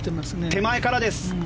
手前からです。